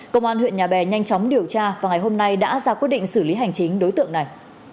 công an huyện nhà bè nhanh chóng điều tra và ngày hôm nay đã ra quyết định xử lý hành chính đối tượng này